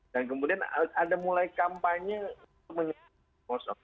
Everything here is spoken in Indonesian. dan kemudian ada mulai kampanye untuk menang kawan kalau kosong